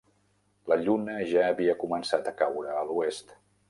La lluna ja havia començat a caure a l'oest.